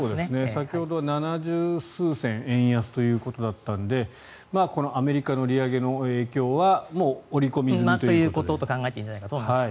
先ほどは７０数銭円安ということだったんでアメリカの利上げの影響はもう織り込み済みと。ということと考えていいと思います。